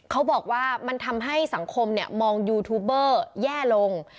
เขาบอกว่ามันทำให้สังคมมองยูทูบเบอร์แย่ลง